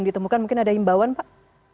ditemukan mungkin ada himbauan pak